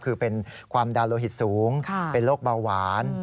คือเป็นความดันโลหิตสูงเป็นโรคเบาหวาน